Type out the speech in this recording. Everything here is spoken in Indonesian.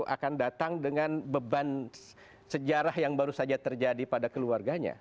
akan datang dengan beban sejarah yang baru saja terjadi pada keluarganya